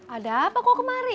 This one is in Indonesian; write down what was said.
ada apa kok kemari